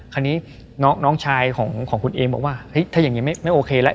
คราวนี้น้องน้องชายของของคุณเอมบอกว่าเฮ้ยถ้าอย่างเงี้ยไม่ไม่โอเคแล้ว